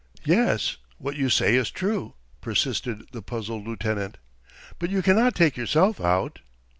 "Yes; what you say is true," persisted the puzzled lieutenant. "But you cannot take yourself out."